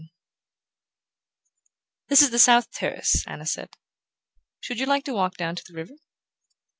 XI "This is the south terrace," Anna said. "Should you like to walk down to the river?"